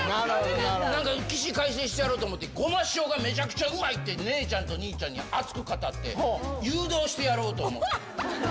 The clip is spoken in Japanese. なんか起死回生してやろうと思って、ごましおがめちゃくちゃうまい！って姉ちゃんと兄ちゃんに熱く語って、誘導してやろうと思って。